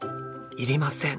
いりません。